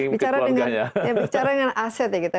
bicara dengan aset ya kita